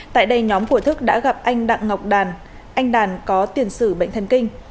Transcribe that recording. tại đây nhóm của thức đã gặp anh đặng ngọc đàn anh đàn có tiền sử bệnh thần kinh